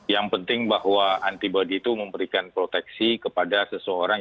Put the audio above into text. yang penting bahwa antibody itu memberikan proteksi kepada seseorang